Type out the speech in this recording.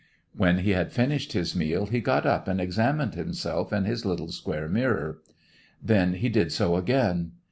When he had finished his meal he got up and examined himself in his little square mirror. Then he did so again.